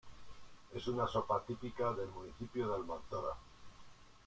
Es una sopa típica del municipio de Almanzora.